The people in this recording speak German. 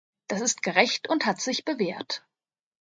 Das ist gerecht und hat sich bewährt.